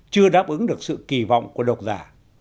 chưa đáp ứng được sự kỳ vọng của độc giả